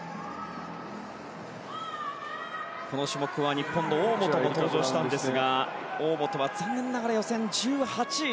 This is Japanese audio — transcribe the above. この種目は日本の大本も登場したんですが大本は残念ながら予選１８位。